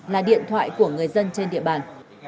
là điện thoại của người dân trên địa bàn